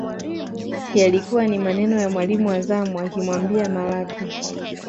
Yalikuwa ni maneno ya mwalimu wa zamu akimwambia Malatwe